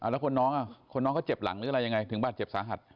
แล้วคนน้องก็เจ็บหลังหรืออะไรยังไงถึงบาดเจ็บสาหัด